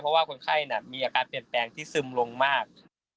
เพราะว่าคนไข้มีอาการเปลี่ยนแปลงที่ซึมลงมาก